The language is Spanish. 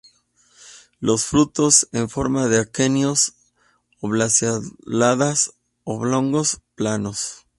Los frutos en forma de aquenios oblanceoladas-oblongos, planos.